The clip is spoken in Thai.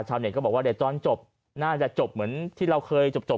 ชาวเน็ตก็บอกว่าเด็กจอลจบน่าจะจบเหมือนที่เราเคยจบจบ